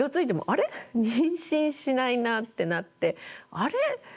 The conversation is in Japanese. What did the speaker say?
妊娠しないなってなってあれ？